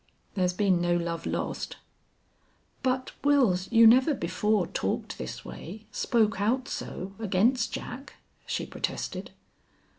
"There's been no love lost." "But, Wils, you never before talked this way spoke out so against Jack," she protested.